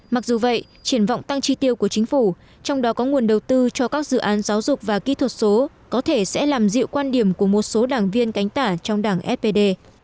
mặc dù vậy triển vọng tăng chi tiêu của chính phủ trong đó có nguồn đầu tư cho các dự án giáo dục và kỹ thuật số có thể sẽ làm dịu quan điểm của một số đảng viên cánh tả trong đảng fpd